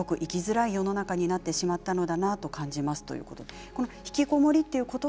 すごく生きづらい世の中になってしまったのだなと感じますということです。